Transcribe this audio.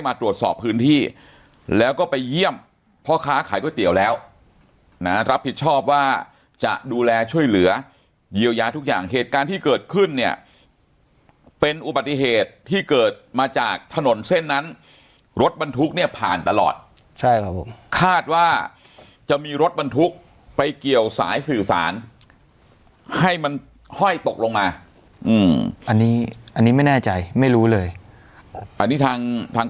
มาตรวจสอบพื้นที่แล้วก็ไปเยี่ยมพ่อค้าขายก๋วยเตี๋ยวแล้วนะรับผิดชอบว่าจะดูแลช่วยเหลือเยียวยาทุกอย่างเหตุการณ์ที่เกิดขึ้นเนี่ยเป็นอุบัติเหตุที่เกิดมาจากถนนเส้นนั้นรถบรรทุกเนี่ยผ่านตลอดใช่ครับผมคาดว่าจะมีรถบรรทุกไปเกี่ยวสายสื่อสารให้มันห้อยตกลงมาอืมอันนี้อันนี้ไม่แน่ใจไม่รู้เลยอันนี้ทางทาง